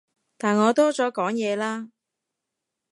但我多咗講嘢啦